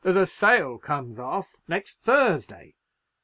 There's a sale comes off next Thursday.